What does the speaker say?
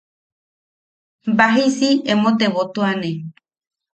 Babajisi emo tebotuane.